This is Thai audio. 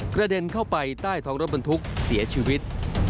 กระเด็นเข้าไปใต้ท้องรถบรรทุกเสียชีวิต